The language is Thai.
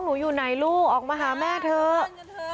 หนูอยู่ไหนลูกออกมาหาแม่เถอะค่ะตาเงียบจะเธอ